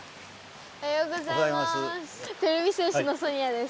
おはようございます。